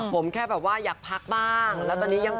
ผมแค่แบบว่าอยากพักบ้าง